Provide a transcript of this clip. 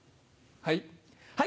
はい！